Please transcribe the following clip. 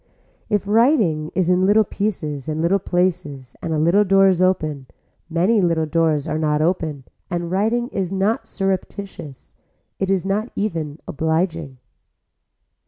If writing is in little pieces and little places and a little door is open, many little doors are not open and writing is not surreptitious, it is not even obliging.